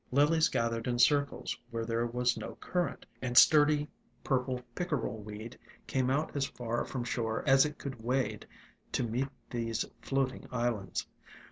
Lilies gathered in circles where there was no current, and sturdy purple Pickerel Weed came out as far from shore as it could wade to meet these floating islands.